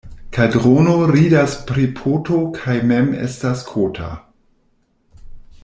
Kaldrono ridas pri poto kaj mem estas kota.